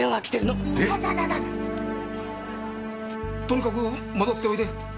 とにかく戻っておいで。